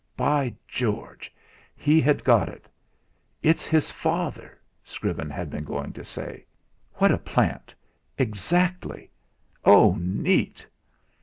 By George! He had got it! "It's his father" Scriven had been going to say. What a plant! Exactly! Oh! neat!